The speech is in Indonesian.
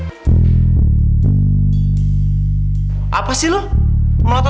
jangan ikut ikut campur urusan gue